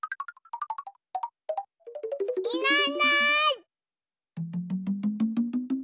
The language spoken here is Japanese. いないいない。